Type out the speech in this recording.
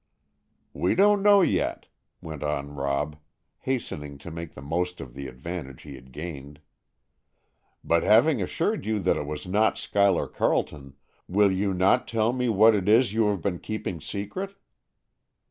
"We don't know yet," went on Rob, hastening to make the most of the advantage he had gained; "but having assured you that it was not Schuyler Carleton, will you not tell me what it is you have been keeping secret?"